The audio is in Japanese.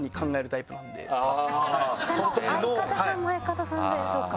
でも相方さんも相方さんでそうか。